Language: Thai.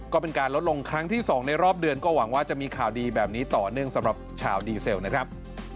ก็เป็นการลดลงครั้งที่๒ในรอบเดือนก็หวังว่าจะมีข่าวดีแบบนี้ต่อเนื่องสำหรับชาวดีเซลนะครับ